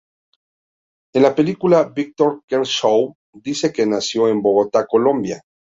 En la película, Victor Kershaw dice que nació en Bogotá, Colombia.